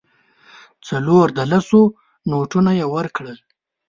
څلور د لسو نوټونه یې ورکړل.